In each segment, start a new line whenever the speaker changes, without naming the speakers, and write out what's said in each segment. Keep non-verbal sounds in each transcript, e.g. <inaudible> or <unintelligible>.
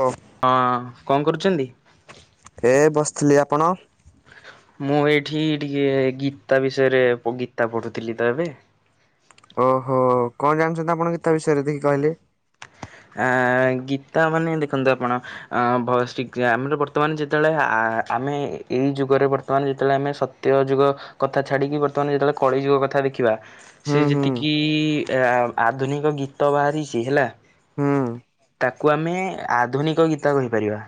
ଅ
ହଁ କଣ କରୁଛନ୍ତି?
ଏ ବସିଥିଲି। ଆପଣ?
ମୁଁ ଏଇଠି ଟିକେ ଗୀତା ବିଷୟରେ ଗୀତା ପଢ଼ୁଥିଲି ତ ଏବେ।
ଓହୋ କଣ ଜାଣିଛନ୍ତି ଆପଣ ଗୀତା ବିଷୟରେ ଦେଖି କହିଲେ।
ଆ ଗୀତା ମାନେ ଦେଖନ୍ତୁ ଆପଣ ଆମ୍ଭ ସ୍ଟି ଆମର ବର୍ତ୍ତମାନ ଯେତେବେଳେ ଆ ଆମେ ଏଇ ଯୁଗରେ ବର୍ତ୍ତମାନ ଯେତେବେଳେ ଆମେ ସ ତ୍ୟ ଯୁଗ କଥା ଛାଡ଼ିକି ବର୍ତ୍ତମାନ ଯେତେବେଳେ କଳି ଯୁଗ କଥା ଦେଖିବା
ହୁଁ
ସେ
ହୁଁ
ଯେତିକି ଆଧୁନିକ ଗୀତ ବାହାରିଛି ହେଲା
ହୁଁ
ତାକୁ ଆମେ ଆଧୁନିକ ଗୀତା କହିପାରିବା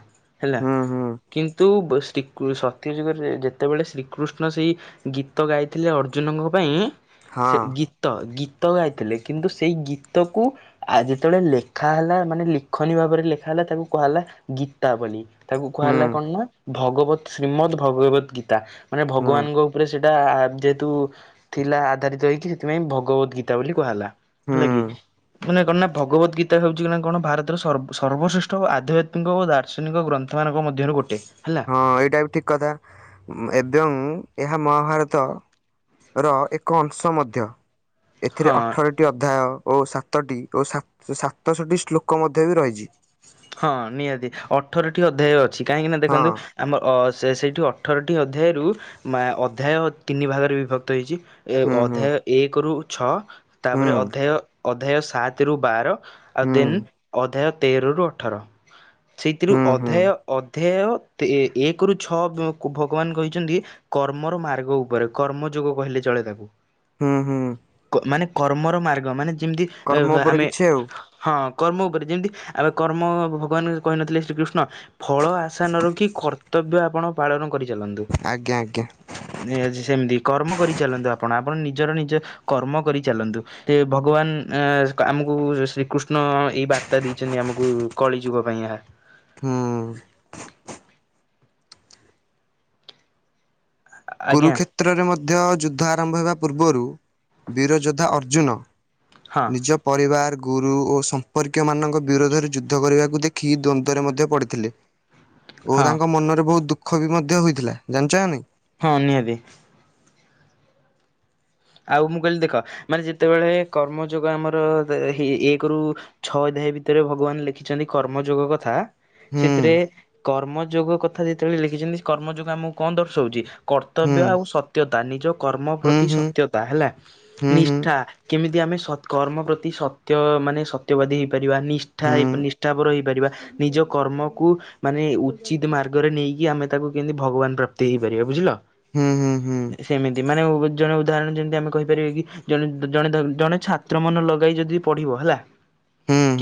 ହେଲା।
ହୁଁ ହୁଁ
କିନ୍ତୁ ଶ୍ରୀ ସତ୍ୟ ଯୁଗରେ ଯେତେବେଳେ ଶ୍ରୀକୃଷ୍ଣ ସେଇ ଗୀତ ଗାଇଥିଲେ ଅର୍ଜୁନଙ୍କ ପାଇଁ ସେ
ହଁ
ଗୀତ ଗୀତ ଗାଇଥିଲେ କିନ୍ତୁ ସେଇ ଗୀତକୁ ଆ ଯେତେବେଳେ ଲେ ଖା ହେଲା ମାନେ ଲିଖଣୀ ଭାବରେ ଲେଖା ହେଲା ତାକୁ କୁହାହେଲା ଗୀତା ବୋଲି। ତାକୁ କୁହା
ହୁଁ
ହେଲା କଣ ନା ଭଗବ ଶ୍ରୀମଦ୍ ଭଗବତ ଗୀତା ମାନେ
ହୁଁ
ଭଗବାନଙ୍କ ଉପରେ ସେଇଟା ଯେହେତୁ ଥିଲା ଆଧାରିତ ହେଇକି ସେଥିପାଇଁ ଭଗବତ ଗୀତା ବୋଲି କୁହା ହେଲା। ହେଲା
ହୁଁ
କି? ମାନେ କଣ ୱା ଭଗବତ ଗୀତ୍ ତା ହେଉଛି କଣ ଭାରତର ସର୍ବ୍ ସର୍ବଶ୍ରେଷ୍ଠ ଆଧ୍ୟାତ୍ମିକ ଓ ଦାର୍ଶନିକ ଗ୍ରନ୍ଥ ମାନଙ୍କ ମଧ୍ୟରେ ଗୋଟେ ହେଲା?
ହଁ ଏଇଟା ବି ଠିକ୍ କଥା ଏବଂ ଏହା ମହାଭାରତ ର ଏକ ଅଂଶ ମଧ୍ୟ। ଏଥିରେ
ହଁ
ଅଠରଟି ଅଧ୍ୟାୟ ଓ ସାତଟି ଓ ସାତଷଟି ଶ୍ଲୋକ ମଧ୍ୟ ବି ରହିଛି।
ହଁ ନିହାତି ଅଠରଟି ଅଧ୍ୟାୟ ଅଛି କାହିଁକି ନା
ହଁ
ଦେଖନ୍ତୁ ଆମ ଅ ସେ ସେଇଠି ଅଠରଟି ଅଧ୍ୟାୟରୁ ମା ଅଧ୍ୟାୟ ତିନି ଭାଗରେ ବିଭକ୍ତ ହେଇଛି।
ହୁଁ ହୁଁ
ଅଧ୍ୟାୟ ଏକ ରୁ ଛଅ
ହୁଁ
ତାପରେ ଅଧ୍ୟାୟ ଅଧ୍ୟାୟ ସାତ ରୁ ବାର ଆଉ ଦେନ୍
ହୁଁ
ଅଧ୍ୟାୟ ତେର ରୁ ଅଠର। ସେଇଥିରୁ
ହୁଁ ହୁଁ
ଅଧ୍ୟାୟ ଅଧ୍ୟାୟ ଏକ ରୁ ଛଅ କୁ ଭଗବାନ କହିଛନ୍ତି କର୍ମର ମାର୍ଗ ଉପରେ କର୍ମ ଯୋଗ କହିଲେ ଚଳେ ତାକୁ।
ହୁଁ ହୁଁ।
ମାନେ କର୍ମର ମାର୍ଗ ମାନେ ଯେମିତି
କର୍ମ ଉପରେ
ଆମେ
କିଛି ଆଉ
ହଁ କର୍ମ ଉପରେ ଯେମିତି ଆମେ କର୍ମ ଭଗବାନ କହିନଥିଲେ ଶ୍ରୀକୃଷ୍ଣ ଫଳ ଆଶା ନ ରଖି କର୍ତ୍ତବ୍ୟ ଆପଣ ପାଳନ କରିଚାଲନ୍ତୁ।
ଆଜ୍ଞା ଆଜ୍ଞା
<unintelligible> ସେମତି କର୍ମ କରି ଚାଲନ୍ତୁ ଆପଣ ଆପଣ ନିଜର ନିଜ କର୍ମ କରି ଚାଲନ୍ତୁ। ସେ ଭଗବାନ ଏ ଆମକୁ ଶ୍ରୀକୃଷ୍ଣ ଏଇ ବାର୍ତ୍ତା ଦେଇଛନ୍ତି ଆମକୁ। ଉଁ କଳି ଯୁଗ ପାଇଁ ଏହା
ହୁଁ।
ଆଜ୍ଞା
କୁରୁକ୍ଷେତ୍ରରେ ମଧ୍ୟ ଯୁଦ୍ଧ ଆରମ୍ଭ ହେବା ପୂର୍ବରୁ ବୀରଯୋଦ୍ଧା ଅର୍ଜୁନ।
ହଁ
ନିଜ ପରିବାର ଗୁରୁ ଓ ସମ୍ପର୍କୀୟମାନଙ୍କ ବିରୋଧରେ ଯୁଦ୍ଧ କରିବାକୁ ଦେଖି ଦ୍ୱନ୍ଦ୍ୱରେ ମଧ୍ୟ ପଡ଼ିଥିଲେ। ଓ
ହଁ
ତାଙ୍କ ମନରେ ବହୁତ ଦୁଃଖ ବି ମଧ୍ୟ ହୋଇଥିଲା ଜାଣିଛ ନାଇଁ?
ହଁ ନିହାତି। ଆଉ ମୁଁ କହିଲି ଦେଖ ମାନେ ଯେତେବେଳେ କର୍ମଯୋଗ ଆମର ହେ ଏକରୁ ଛଅ ଅଧାୟ ଭିତରେ ଭଗବାନ ଲେଖିଛନ୍ତି କର୍ମଯୋଗ କଥା।
ହୁଁ
ସେଥିରେ କର୍ମଯୋଗ କଥା ଯେତେବେଳେ ଲେଖିଛନ୍ତି କର୍ମଯୋଗ ଆମକୁ କଣ ଦର୍ଶଉଛି?
ହୁଁ
କର୍ତ୍ତବ୍ୟ ଆଉ ସତ୍ୟତା ନିଜ କର୍ମ
ହୁଁ
ପ୍ରତି ସତ
ହୁଁ
ସତ୍ୟତା ହେଲା
ହୁଁ
ନିଷ୍ଠା କେମିତି ଆମେ ସ କର୍ମ ପ୍ରତି ସତ୍ୟ ମାନେ ସତ୍ୟବାଦୀ ହୋଇଇପାରିବା ନିଷ୍ଠା
ହୁଁ
ହେ ନିଷ୍ଠାପର ହୋଇଇପାରିବା। ନିଜ କର୍ମକୁ ମାନେ ଉଚିତ ମାର୍ଗରେ ନେଇକି ଆମେ ତାକୁ କେମିତି ଭଗବାନ ପ୍ରାପ୍ତି ହେଇପାରିବା ବୁଝିଲ।
ହଁ ହଁ।
ସେମିତି ମାନେ ଜଣେ ଉଦାହରଣ ଯେମିତି ଆମେ କହିପାରିବାେ କି ଜଣେ ଜଣେ ଜଣେ ଛାତ୍ର ମନ ଲଗାଇ ଯଦି ପଢିବ ହେଲା।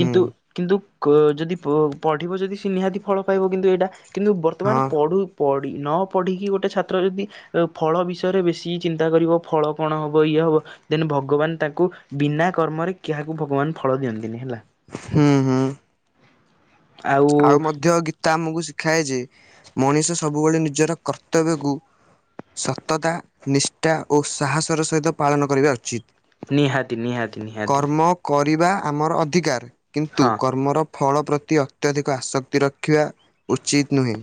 ହୁଁ
କିନ୍ତୁ କ ଯଦି ପ-ପଢିବ ଯଦି ସେ ନିହାତି ଫଳ ପାଇବ କିନ୍ତୁ ଏଇଟା। କିନ୍ତୁ ବର୍ତ୍ତମାନ
ହଁ
ପଢ଼ୁ ପଢ଼ି ନ ପଢ଼ିକି ଗୋଟେ ଛାତ୍ର ଯଦି ଫଳ ବିଷୟରେ ବେଶୀ ଚିନ୍ତା କରିବ ଫଳ କଣ ହେବ ଇଏ ହେବ ଦେନ ଭଗବାନ ତାଙ୍କୁ ବିନା କର୍ମରେ କାହାକୁ ଭଗବାନ ଫଳ ଦିଅନ୍ତିନି ହେଲା।
ହୁଁ ହୁଁ। ଆଉ ମଧ୍ୟ ଗୀତା ଆମକୁ ଶିଖାଏ ଯେ ମଣିଷ ସବୁବେଳେ ନିଜର କର୍ତ୍ତବ୍ୟକୁ ସତତା ନିଷ୍ଠା ଓ ସାହସର ସହିତ ପାଳନ କରିବା ଉଚିତ୍।
ନିହାତି ନିହାତି ନିହାତି।
କରିବା ଆମର ଅଧିକାର କିନ୍ତୁ
ହଁ
କର୍ମର ଫଳ ପ୍ରତି ଅତ୍ୟଧିକ ଆସକ୍ତି ରଖିବା ଉଚିତ ନୁହେଁ।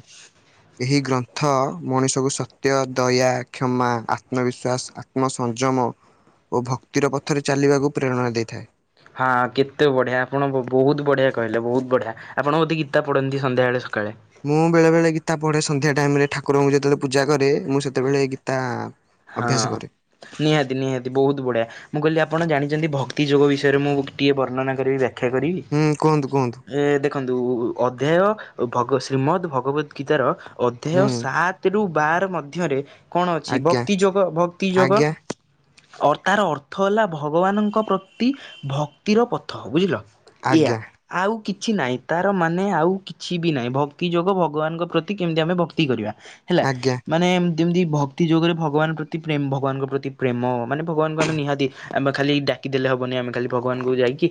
ଏହି ଗ୍ରନ୍ଥ ମଣିଷକୁ ସତ୍ୟ ଦୟା କ୍ଷମା ଆତ୍ମବିଶ୍ୱାସ ଆ ଆତ୍ମ ସଂଯମ ଓ ଭକ୍ତିର ପଥରେ ଚାଲିବାକୁ ପ୍ରେରଣା ଦେଇଥାଏ।
ହଁ କେତେ ବଢିଆ ଆପଣ ବହୁତ ବଢ଼ିଆ କହିଲେ ବହୁତ ବଢିଆ ଆପଣ ବୋଧେ ଗୀତା ପଢନ୍ତି ସନ୍ଧ୍ୟାବେଳେ ସକାଳେ?
ମୁଁ ବେଳେ ବଳେ ଗୀତା ପଢ଼େ ସନ୍ଧ୍ୟା ଟାଇମରେ ଠାକୁରଙ୍କୁ ଯେତେବେଳେ ପୂଜା କରେ ମୁଁ ସେତେବେଳେ ଗୀତା
ହଁ
ଅଭ୍ୟାସ କରେ।
ନିହାତି ନିହାତି ବହୁତ ବଢିଆ। ମୁଁ କହିଲି ଆପଣ ଜାଣିଛନ୍ତି ଭକ୍ତି ଯୋଗ ବିଷୟରେ ମୁଁ ଟିକଏ ବର୍ଣ୍ଣନା କରିବି ବ୍ୟାଖ୍ୟା କରିବି।
ହୁଁ କୁହନ୍ତୁ କୁହନ୍ତୁ।
ଏ ଦେଖନ୍ତୁ ଅଧ୍ୟାୟ ଭଗବ ଶ୍ରୀମଦ୍ ଭଗବତ ଗୀତାର ଅଧ୍ୟାୟ
ହୁଁ
ସାତରୁ ବାର ମଧ୍ୟରେ କଣ ଅଛି
ଆଜ୍ଞା
ଭକ୍ତିଯୋଗ ଭକ୍ତିଯୋଗ
ଆଜ୍ଞା
ତାର ଅର୍ଥ ହେଲା ଭଗବାନଙ୍କ ପ୍ରତି ଭକ୍ତିର ପଥ ବୁଝିଲ। ଏଆ
ଆଜ୍ଞା
ଆଉ କିଛି ନାହିଁ ତାର ମାନେ ଆଉ କିଛି ବି ନାହିଁ ଭକ୍ତି ଯୋଗ ଭଗବାନଙ୍କ ପ୍ରତି କେମିତି ଆମେ ଭକ୍ତି କରିବା। ହେଲା
ଆଜ୍ଞା
ମାନେ ଯେମିତି ଭକ୍ତି ଯୋଗରେ ଭ ଭଗବାନଙ୍କ ପ୍ରତି ପ୍ରେମ୍ ଭଗବାନଙ୍କ ପ୍ରତି ପ୍ରେମ, ମାନେ ଭଗବାନଙ୍କୁ ଆମେ ନିହାତି ଆମେ ଖାଲି ଡାକିଦେଲେ ହବନି ଆମେ ଖାଲି ଭଗବାନଙ୍କୁ ଯାଇକି କି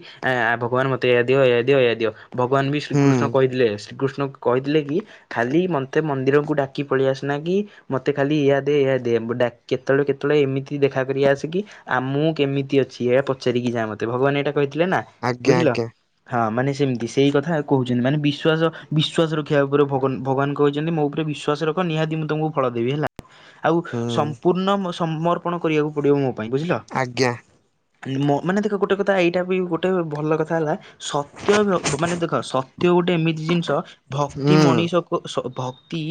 ଭଗବାନ ମତେ ଏୟା ଦିଅ, ଏୟା ଦିଅ, ଏୟା ଦିଅ, ଭଗବାନ ବି
ହୁଁ
ଶ୍ରୀକୃଷ୍ଣ କହିଥିଲେ, ଶ୍ରୀକୃଷ୍ଣ କହିଥିଲେ କି ଖାଲି ମୋତେ ମନ୍ଦିରକୁ ଡାକି ପଳେଇ ଆସନା କି ମୋତେ ଖାଲି ଏୟା ଦେ, ଏୟା ଦ୍ ଦେ ଡାକ୍ କେତେବେଳେ କେତେବେଳେ ଏମିତି ଦେଖାକରି ଆସ୍ କି ଆ ମୁଁ କେମିତି ଅଛି। ଏୟା ପଚାରିକି ଯା ମତେ ଭଗବାନ ଏଇଟା କହିଥିଲେ ନା,
ଆଜ୍ଞା
ବୁଝିଲ!
ଆଜ୍ଞା
ହଁ ମାନେ ସେମିତି ସେଇ କଥା କହୁଛନ୍ତି। ମାନେ ବିଶ୍ଵାସ, ବିଶ୍ଵାସ ରଖିବା ଉପରେ ଭଗବାନ, ଭଗବାନ କହିଛନ୍ତି, ମୋ ଉପରେ ବିଶ୍ଵ ଶ୍ୱାସ ରଖ ନିହାତି ମୁଁ, ତମକୁ ଫଳ ଦେବି ହେଲା। ଆଉ,
ହୁଁ
ସମ୍ପୂର୍ଣ୍ଣ ସମର୍ପଣ କରିବାକୁ ପଡ଼ିବ, ମୋ ପାଇଁ ବୁଝିଲ!
ଆଜ୍ଞା।
ମାନେ ଦେଖ, ଗୋଟେ କଥା ଏଇଟା ବି ଗୋଟେ ଭଲ କଥା ହେଲା। ସତ୍ୟ ମାନେ ଦେଖ! ସତ୍ୟ ଗୋଟେ ଏମିତି ଜିନିଷ ଭକ୍ତି
ହୁଁ
ମଣିଷକୁ ସ ଭକ୍ତି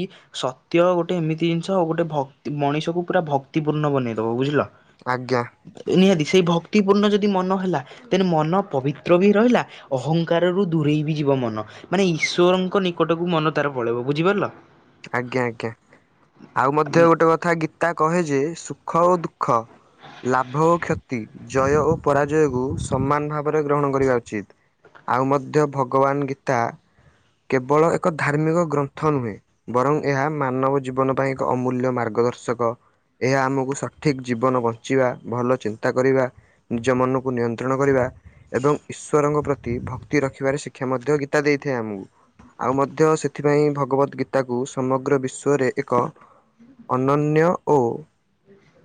ସତ୍ୟ ଗୋଟେ ଏମିତି ଜିନିଷ, ଆଉ ଗୋଟେ ଭକ୍ ମଣିଷକୁ ପୁରା ଭକ୍ତିପୂର୍ଣ୍ଣ ବନେଇଦବ, ବୁଝିଲ!
ଆଜ୍ଞା।
ନିହାତି ସେଇ ଭକ୍ତିପୂର୍ଣ୍ଣ ଯଦି ମନ ହେଲା। ତେଣୁ ମନ ପବିତ୍ର ବି ରହିଲା, ଅହଂଙ୍କାରରୁ ଦୂରେଇ ବି ଯିବ ମନ। ମାନେ ଈଶ୍ଵରଙ୍କ ନିକଟକୁ ମନ ତାର ପଳେଇବ। ବୁଝିପାରିଲ!
ଆଜ୍ଞା, ଆଜ୍ଞା, ଆଉ ମଧ୍ୟ ଗୋଟେ କଥା ଗୀତା କହେ ଯେ, ସୁଖ ଓ ଦୁଃ ଖ ଲାଭ ଓ କ୍ଷତି ଜୟ ଓ ପରାଜୟକୁୁ ସମାନ ଭାବରେ ଗ୍ରହଣ କରିବା ଉଚିତ୍। ଆଉ ମଧ୍ୟ ଭଗବାନ ଗୀତା, କେବଳ ଏକ ଧାର୍ମିକ ଗ୍ରନ୍ଥ ନୁହେଁ। ବରଂ ଏହା ମାନବ ଜୀବନ ପାଇଁ ଏକ ଅମୂଲ୍ୟ ମାର୍ଗଦର୍ଶକ। ଏହା ଆମକୁ ସଠିକ୍ ଜୀବନ ବଞ୍ଚିବା, ଭଲ ଚିନ୍ତା କରିବା ନିଜ ମନକୁ ନିୟନ୍ତ୍ରଣ କରିବା। ଏବଂ ଈଶ୍ୱରଙ୍କ ପ୍ରତି ଭକ୍ତି ରଖିବାରେ ଶିକ୍ଷା ମଧ୍ୟ ଗୀତା ଦେଇଥାଏ ଆମକୁ। ଆଉ ମଧ୍ୟ ସେଥିପାଇଁ ଭଗବତ୍ ଗୀତ୍ ତାକୁ ସମଗ୍ର ବିଶ୍ୱରେ ଏକ ଅନ୍ନନ୍ୟ ଓ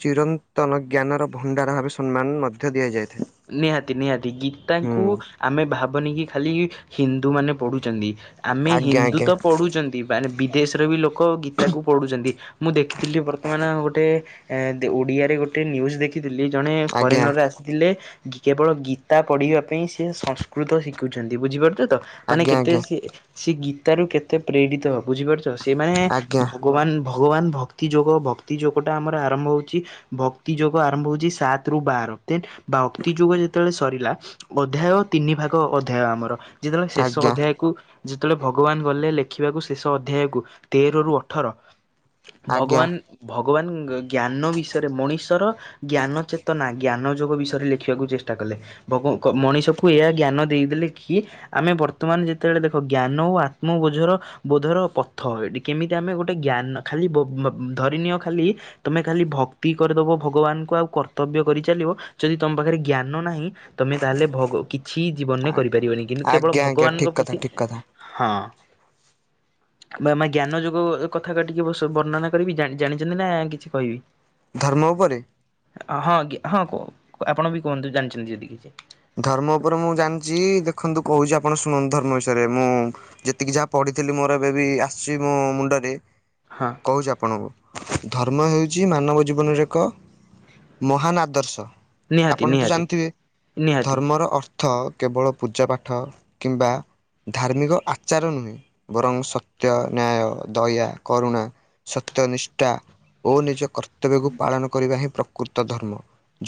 ଚିରନ୍ତନ ଜ୍ଞାନର ଭଣ୍ଡାର ଭାବେ ସମ୍ମାନ ମଧ୍ୟ ଦିଆଯାଇଥାଏ।
ନିହାତି ନିହାତି ଗୀତାଙ୍କୁ
ହୁଁ
ଆମେ ଭାବନି କି ଖାଲି ହିନ୍ଦୁମାନେ ପଢ଼ୁଛନ୍ତି। ଆମେ
ଆଜ୍ଞା
ହିନ୍ଦୁ
ଆଜ୍ଞା
ତ ପଢ଼ୁଛନ୍ତି ମାନେ ବିଦେଶର ବି ଲୋକ ଗୀତାକୁ ପଢ଼ୁଛନ୍ତି। ମୁଁ ଦେଖିଥିଲି ବର୍ତ୍ତମାନ ଗୋଟେ ଏଁ ଓଡ଼ିଆରେ ଗୋଟେ ନ୍ୟୁଜ ଦେଖିଥିଲି। ଜଣେ
ଆଜ୍ଞା
ଫରେନର ଆସିଥିଲେ କେବଳ ଗୀତା ପଢିବା ପାଇଁ ସେ ସଂସ୍କୃତ ଶିଖୁଛନ୍ତି, ବୁଝିପାରୁଛ ତ! ମାନେ
ଆଜ୍ଞା
କେତେ ସିଏ, ସିଏ ଗୀତାରୁୁ କେତେ ପ୍ରେଡିତ ବୁଝିପାରୁଛ। ସିଏ ମାନେ
ଆଜ୍ଞା
ଭଗବାନ୍ ଭଗବାନ ଭକ୍ତି ଯୋଗ, ଭକ୍ତି ଯୋଗଟା ଆମର ଆରମ୍ଭ ହଉଚି ଭକ୍ତି ଯୋଗୁ ଆରମ୍ଭ ହଉଛି, ସାତ ରୁ ବାର ଦେନ୍ ବାଉଁ ତି ଯୁଗ ଯେତେବେଳେ ସରିଲା, ଅଧ୍ୟାୟ ତିନି ଭାଗ ଅଧ୍ୟାୟ ଆମର। ଯେତେବେଳେ
ଆଜ୍ଞା
ଶେଷ
ଆଜ୍ଞା
ଅଧ୍ୟାୟକୁ ଯେତେଳେ ଭଗବାନ ଗଲେ ଲେଖିବାକୁ ଶେଷ ଅଧ୍ୟାୟକୁ, ତେରରୁ ଅଠର
ଆଜ୍ଞା
ଭଗବାନ୍ ଭଗବାନ ଜ୍ଞାନ ବିଷୟରେ, ମଣିଷର ଜ୍ଞାନ ଚେତନା, ଜ୍ଞାନ ଯୋଗ ବିଷୟରେ ଲେଖ୍ ଖିଆକୁ ଚେଷ୍ଟା କଲେ, ବଗଙ୍କ୍ ମଣିଷକୁ ଏଇଆ ଜ୍ଞାନ ଦେଇଦେଲେ କିଏ ଆମେ ବର୍ତ୍ତମାନ ଯେତେବେଳେ ଦେଖ ଜ୍ଞାନ ଓ ଆତ୍ମବୋଝର ବୋଧର ପଥ, ଏଟି କେମିତି ଆମେ ଗୋଟେ ଜ୍ଞାନ ଖାଲି ବ-ବ ଧରିନିଅ ଖାଲି ତମେ ଖାଲି ଭକ୍ତି କରିଦବ, ଭଗବାନଙ୍କୁ ଆଉ କର୍ତ୍ତବ୍ୟ କରିଚାଲିବ, ଯଦି ତମ ପାଖରେ ଜ୍ଞାନ ନାହିଁ ତମେ ତାହେଲେ ଭଗ କିଛି ଜୀବନରେ କରିପାରିବନି କିନ୍ତୁ କେବଳ
ଆଜ୍ଞା ଆଜ୍ଞା ଠିକ
ଭଗବାନଙ୍କ
କଥା
ପ୍ରତି
ଠିକ କଥା
ହଁ।
<unintelligible>
ଆମେ ଆମ ଜ୍ଞାନ ଯୋଗୁଁ କଥା କାଟିକି ବସ୍ ବର୍ଣ୍ଣନା କରିବି ଜାଣିଛନ୍ତି ନା କିଛି କହିବି?
ଧର୍ମ ଉପରେ
ହଁ କି, ହଁ କୁହ ଆପଣ ବି କୁହନ୍ତୁ ଜାଣିଛନ୍ତି ଯଦି କିଛି?
ଧର୍ମ ଉପରେ ମୁଁ ଜାଣିଛି ଦେଖନ୍ତୁ କହୁଛି ଆପଣ ଶୁଣନ୍ତୁ ଧର୍ମ ବିଷୟରେ ମୁଁ ଯେତିକି ଯାହା ପଢିଥିଲି ମୋର ଏବେ ବି ଆସିଛି ମୋ ମୁଣ୍ଡରେ
ହଁ।
କହୁଛି ଆପଣଙ୍କୁ ଧର୍ମ ହେଉଛି ମାନବ ଜୀବନରେ ଏକ ମହାନ ଆଦର୍ଶ,
ନିହାତି
ଆପଣ ତ
ନିହାତି
ଜାଣିଥିବେ?
ନିହାତି
ଧର୍ମର ଅର୍ଥ କେବଳ ପୂଜା ପାଠ କିମ୍ବା ଧାର୍ମିକ ଆଚାର ନୁହେଁ ବରଂ ସତ୍ୟ, ନ୍ୟାୟ, ଦୟା, କରୁଣା। ସତ୍ୟ ନିଷ୍ଠା ଓ ନିଜ କର୍ତ କର୍ତ୍ତବ୍ୟକୁ ପାଳନ କରିବା ହିଁ ପ୍ରକୃତ ଧର୍ମ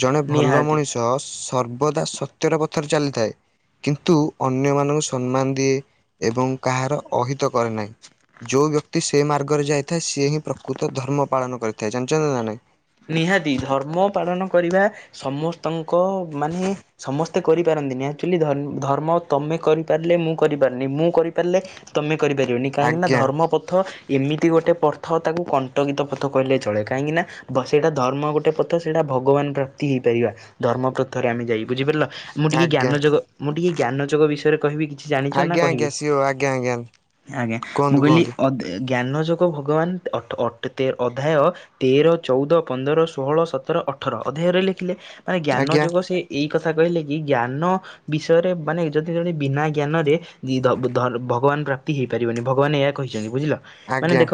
ଜଣେ ଭଲ
ନିହାତି
ମଣିଷ ସର୍ ସର୍ବଦା ସତ୍ୟର ପଥରେ ଚାଲିଥାଏ। କିନ୍ତୁ ଅନ୍ୟମାନଙ୍କୁ ସମ୍ମାନ ଦିଏ ଏବଂ କାହାର ଅହିତ କରେ ନାହିଁ। ଯୋଉ ବ୍ୟକ୍ତି ସେ ମାର୍ଗରେ ଯାଇଥାଏ ସିଏ ହିଁ ପ୍ରକୃତ ଧର୍ମ ପାଳନ କରିଥାଏ ଜାଣିଛନ୍ତି ନା ନାହିଁ?
ନିହାତି ଧର୍ମ ପାଳନ କରିବା ସମସ୍ତଙ୍କ ମାନେ ସମସ୍ତେ କରିପାରନ୍ତିନି, ଆକ୍ଚୁଆଲି ଧର୍ମ ତମେ କରିପାରିଲେ ମୁଁ କରିପାରିନି ମୁଁ କରିପାରିଲେ ତମେ କରିପାରିବନି କାହିଁକିନା
ଆଜ୍ଞା
ଧର୍ମପଥ ଏମିତି ଗୋଟେ ପଥ ତାକୁ କଣ୍ଟଗୀତ ପଥ କହିଲେ ଚଳେ କାହିଁକିନା। ବ ସେଇଟା ଧର୍ମ ଗୋଟେ ପଥ ସେଇଟା ଭଗବାନ ପ୍ରାପ୍ତି ହେଇପାରିବା ଧର୍ମପଥରେ ଆମେ ଯାଇ ବୁଝିପାରିଲ,? ମୁଁ ଟିକେ
ଆଜ୍ଞା
ଜ୍ଞାନ ଯୋଗ ମୁଁ ଟିକିଏ ଜ୍ଞାନ ଯୋଗ ବିଷୟରେ କହିବି କି? କିଛି ଜାଣିଛ ନା
ଆଜ୍ଞା
କହିବି
ଆଜ୍ଞା ସିଓ ଆଜ୍ଞା ଆଜ୍ଞା
ଆଜ୍ଞା ମୁଁ
କୁହନ୍ତୁ
କହିଲି
କୁହନ୍ତୁ।
ଜ୍ଞାନ ଯୋଗ ଭଗବାନ ଅ ଅ ଅଧ୍ୟାୟ ତେର ଚଉଦ ପନ୍ଦର ଷୋହଳ ସତର ଅଠର ଅଧ୍ୟାୟରେ ଲେଖିଲେ ମାନେ ଜ୍ଞାନ
ଆଜ୍ଞା
ଯୁଗ ସେଇ ଏଇ କଥା କହିଲେ କି ଜ୍ଞାନ ବିଷୟରେ ମାନେ ଯଦି ଜଳେ ବିନା ଜ୍ଞାନରେ ଭଗବାନ ପ୍ରାପ୍ତି ହେଇ ପାରିବନି ଭଗବାନ ଏହା କହିଛନ୍ତି ବୁଝିଲ? ମାନେ
ଆଜ୍ଞା
ଦେଖ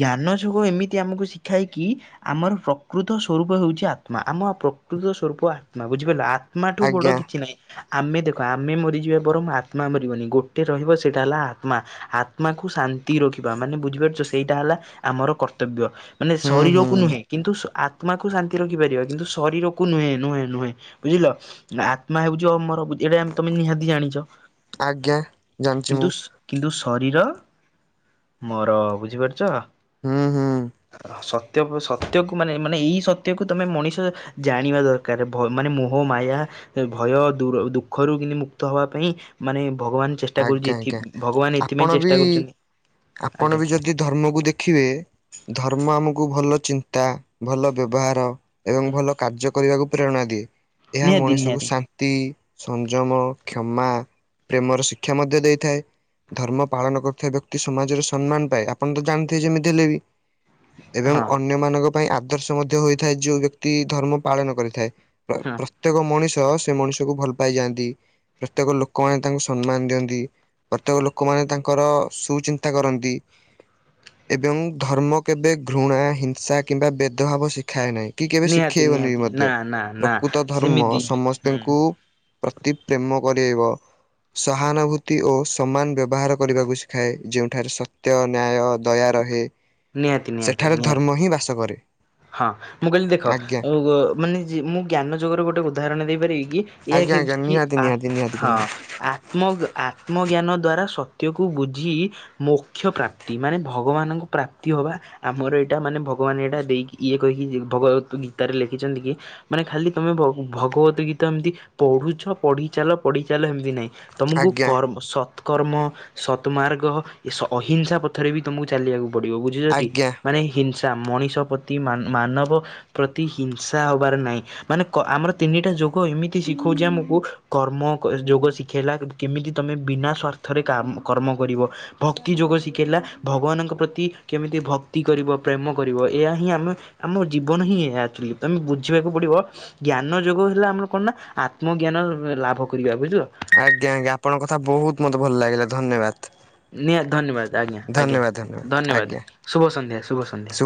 ଜ୍ଞାନ ଯୋଗ ଏମିତି ଆମକୁ ଶିଖାଏକି ଆମର ପ୍ରକୃତ ସ୍ୱରୂପ ହେଉଛି ଆତ୍ମା ଆତ୍ମ ପ୍ରକୃତ ସ୍ୱରୂପ ଆତ୍ମା ବୁଝିପାରିଲ ଆତ୍ମା। ମାଠୁ ବଡ
ଆଜ୍ଞା
କିଛି ନାହିଁ। ଆମେ ଦେଖ ଆମେ ମରିଯିବା ବରଂ ମୁ ଆତ୍ମା ମରିବନି ଗୋଟେ ରହିବ ସେଇଟା ହେଲା ଆତ୍ମା। ଆତ୍ମାକୁ ଶାନ୍ତି ରଖିବା ମାନେ ବୁଝିପାରୁଛ ସେଇଟା ହେଲା ଆମର କର୍ତ୍ତବ୍ୟ ମାନେ
ହୁଁ ହୁଁ
ଶରୀରକୁ କୁ ନୁହେଁ କିନ୍ତୁ ଆତ୍ମାକୁ ଶାନ୍ତି ରଖିପାରିବା କିନ୍ତୁ ଶରୀରକୁ ନୁହେଁ ନୁହେଁ ନୁହେଁ ବୁଝିଲ? ଆତ୍ମା ହଉଛି ଅମର ଏଇଟା ଆମେ ତମେ ନିହାତି ଜାଣିଛ।
ଆଜ୍ଞା ଜାଣିଛି
କିନ୍ତୁ
ମୁଁ।
କିନ୍ତୁ ଶରୀର ମର ବୁଝିପାରୁଛ?
ହୁଁ ହୁଁ।
ସତ୍ୟ ସତ୍ୟକୁ ମାନେ ମାନେ ଏଇ ସତ୍ୟକୁ ତମେ ମଣିଷ। ଜାଣିବା ଦରକାର ମାନେ ମୋହ ମାୟା ଭୟ ଦୂର୍ ଦୁଃଖରୁ କି ମୁକ୍ତ ହବା ପାଇଁ ମାନେ ଭଗବାନ ଚେଷ୍ଟା କରୁଛି
ଆଜ୍ଞା
ଏଥି
ଆଜ୍ଞା
ଭଗବାନ ଏଥିପାଇଁ
ଆପଣ ବି
ଚେଷ୍ଟା କରୁଛନ୍ତି
ଆପଣ
ଆଜ୍ଞା।
ବି ଯଦି ଧର୍ମକୁ ଦେଖିବେ? ଧର୍ମ ଆମକୁ ଭଲ ଚିନ୍ତା ଭଲ ବ୍ୟବହାର ଏବଂ ଭଲ କାର୍ଯ୍ୟ କରିବାକୁ ପ୍ରେରଣା ଦିଏ। ଏହା
ନିହାତି
ମଣିଷକୁ
ନିହାତି।
ଶାନ୍ତି ସଂଯମ କ୍ଷମା ପ୍ରେମର ଶିକ୍ ଶିକ୍ଷା ମଧ୍ୟ ଦେଇଥାଏ। ଧର୍ମ ପାଳନ କରୁଥିବା ବ୍ୟକ୍ତି ସମାଜରେ ସମ୍ମାନ ପାଏ ଆପଣ ତ ଜାଣିଥିବେ ଯେମିତି ହେଲେ ବି ଏବଂ
ହଁ
ଅନ୍ୟମାନଙ୍କ ପାଇଁ ଆଦର୍ଶ ମଧ୍ୟ ହୋଇଥାଏ ଯୋଉ ବ୍ୟକ୍ତି ଧର୍ମ ପାଳନ କରିଥାଏ।
ହଁ
ପ୍ରତ୍ୟେକ ମଣିଷ ସେ ମଣିଷକୁ ଭଲ ପାଇଯାଆନ୍ତି ପ୍ରତ୍ୟେକ ଲୋକମାନେ ତାଙ୍କୁ ସମ୍ମାନ ଦିଅନ୍ତି ପ୍ରତ୍ୟେକ ଲୋକମାନେ ତାଙ୍କର ସୁଚିନ୍ତା କରନ୍ତି। ଏବଂ ଧର୍ମ କେବେ ଘୃଣା ହିଂସା କିମ୍ବା ବେଦଭାବ ଶିଖାଏ ନାହିଁ। କି କେବେ
ନିହାତି
ଶିଖେଇବନି ବି
ନିହାତି ନା
ମଧ୍ୟ
ନା ନା
ପ୍ରକୃତ ଧର୍ମ
ସେମିତି ହୁଁ
ସମସ୍ତଙ୍କୁ ପ୍ରତି ପ୍ରେମ କରେଇବ ସହାନୁଭୂତି ଓ ସମାନ ବ୍ୟବହାର କରିବାକୁ ଶିଖାଏ ଯେଉଁଠାରେ ସତ୍ୟ ନ୍ୟାୟ ଦୟା ରହେ
ନିହାତି ନିହାତି
ସେଠାରେ
ନିହାତି।
ଧର୍ମ ହିଁ ବାସ କରେ।
ହଁ ମୁଁ କହିଲି ଦେଖ
ଆଜ୍ଞା।
ଆଉ ଗ ମାନେ ମୁଁ ଜ୍ଞାନ ଯୁଗର ଗୋଟେ ଉଦାହରଣ ଦେଇପାରିବି କି ଏହା ହେଉଛି କି ଆ
ଧିଆଦି
ହଁ
<inaudible>
ଆତ୍ମ ଆତ୍ମଜ୍ଞାନ ଦ୍ଵାରା ସତ୍ୟକୁ ବୁଝି ମୋକ୍ଷ ପ୍ରାପ୍ତି ମାନେ ଭଗବାନଙ୍କୁ ପ୍ରାପ୍ତି ହବା ଆମର ଏଇଟା ମାନେ ଭଗବାନ ଏଇଟା ଦେଇକି ଇଏ କହିକି ଭଗବତ ଗୀତାରେ ଲେଖିଛନ୍ତି କି ମାନେ ଖାଲି ତମେ ବ ଭଗବତ ଗୀତା ଏମିତି ପଢୁଛ ପଢିଚାଲ ପଢିଚାଲ ହେମତି ନାଇଁ। ତମକୁ ଗୋ
ଆଜ୍ଞା
କର୍ର୍ ସ ସତକର୍ମ ସତ୍ମାର୍ଗ ଏ ଅହିଂସା ପଥରେ ବି ତୁମକୁ ଚାଲିବାକୁ ପଡିବ ବୁଝ ବୁଝିଲଟି ଟି
ଆଜ୍ଞା
ମାନେ ହିଂସା ମଣିଷ ପ୍ରତି ମାନବ ପ୍ରତି ହିଂସା ହବାର ନାଇଁ ମାନେ କ ଆମର ତିନିଟା ଯୋଗ ଏମିତି ଶିଖଉଛି ଆମକୁ କର୍ମ ଯୋଗ ଶିଖେଇଲା କେମିତି ତମେ ବିନା ସ୍ୱାର୍ଥରେ କାମ କର୍ମ କରିବ। ଭକ୍ତି ଯୋଗ ଶିଖେଇଲା ଭଗବାନଙ୍କ ପ୍ରତି କେମିତି ଭକ୍ତି କରିବ ପ୍ରେମ କରିବ ଏଇଆ ହିଁ ଆ ମେ ଆମ ଜୀବନ ହିଁ ଏଇଆ ଥିଲୁ ତମେ ବୁଝିବାକୁ ପଡ଼ିବ ଜ୍ଞାନ ଯୋଗ ହେଲା ଆମର କଣ ନା ଆତ୍ମଜ୍ଞାନ ଲାଭ କରିବା ବୁଝିଲ?
ଆଜ୍ଞା ଆଜ୍ଞା ଆପଣଙ୍କ କଥା ବହୁତ୍ ମତେ ଭଲଲାଗିଲା ଧନ୍ୟବାଦ୍।
ନିହା ଧନ୍ୟବାଦ ଆଜ୍ଞା ଆଜ୍ଞା ଧନ୍ୟବାଦ ଶୁଭ ସନ୍ଧ୍ୟା ଶୁଭ ସନ୍ଧ୍ୟା।